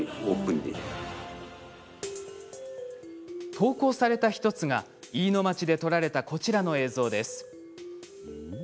投稿された１つが、飯野町で撮られた、こちらの映像です。